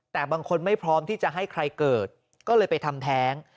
แต่บางคนไม่พร้อมที่จะให้ใครเกิดก็เลยไปทำแท้ง